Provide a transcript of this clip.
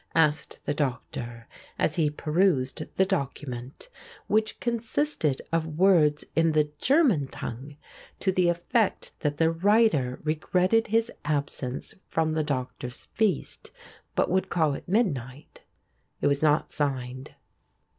asked the Doctor, as he perused the document, which consisted of words in the German tongue to the effect that the writer regretted his absence from the Doctor's feast, but would call at midnight. It was not signed.